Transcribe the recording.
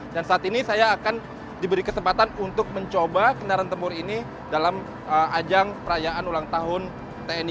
dan saat ini saya akan diberi kesempatan untuk mencoba kendaraan tempur ini dalam ajang perayaan ulang tahun tni g tujuh puluh dua